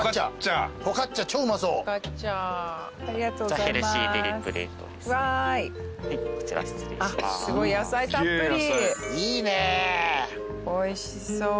あっおいしそう。